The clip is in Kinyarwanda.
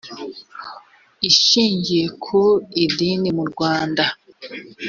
ishingiye ku idini mu rwanda